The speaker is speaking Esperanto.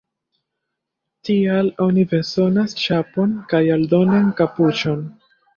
Tial oni bezonas ĉapon kaj aldonan kapuĉon.